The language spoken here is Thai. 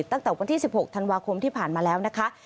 ตั้งแต่วันที่๑๖ธันวาคมที่ผ่านมาแล้วนะคะ